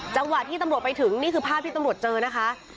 จังหวะที่ตำรวจไปถึงนี่คือภาพที่ตำรวจเจอนะคะ